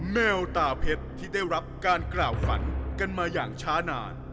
แมวตาเพชรที่ได้รับการกล่าวฝันกันมาอย่างช้านาน